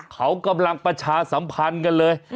เขากำลังประชาสัมพันธ์กันเลย